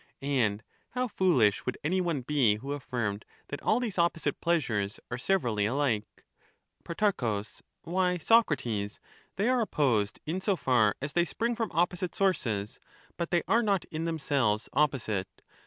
and how foolish would any one be who aflBrmed that all these opposite pleasures are severally alike I Pro. Why, Socrates, they are opposed in so far as they Pleasures spring from opposite sources, but they are not in themselves "^s^j^jj^n opposite.